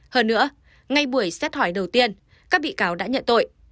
hơn nữa ngay buổi xét hỏi đầu tiên các bị cáo đã nhận tội